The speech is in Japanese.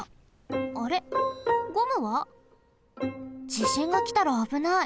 じしんがきたらあぶない。